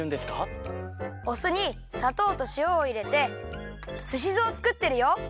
おすにさとうとしおをいれてすしずをつくってるよ！